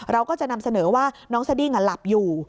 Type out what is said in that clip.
เราก็จะนำเสนอว่าน้องสดิ้งหลับอยู่